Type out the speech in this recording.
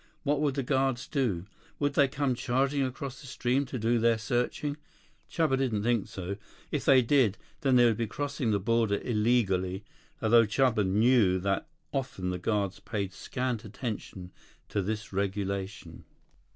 What would the guards do? Would they come charging across the stream to do their searching? Chuba didn't think so. If they did, then they would be crossing the border illegally, although Chuba knew that often the guards paid scant attention to this regulation.